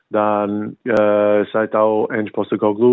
dan saya tahu ens posteko glue